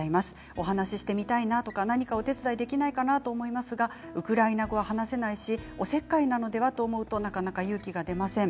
お話ししてみたいなとか何かお手伝いできないかなと思いますがウクライナ語を話せないしおせっかいなのではと思うとなかなか勇気が出ません。